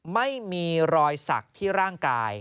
ไม่มีรอยสักที่ร่างกาย